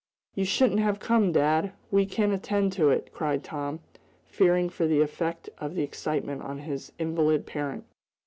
"You shouldn't have come, dad! We can attend to it!" cried Tom, fearing for the effect of the excitement on his invalid parent.